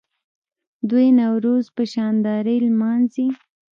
دوی نوروز په شاندارۍ لمانځي.